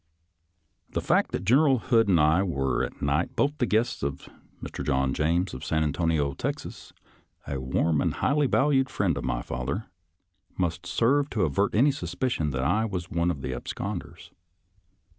The fact that General Hood and I were that night both the guests of Mr. John James of San IN AND AROUND RICHMOND 101 Antonio, Texas, a warm and highly valued friend of my father, must serve to avert any suspicion that I was one of the absconders.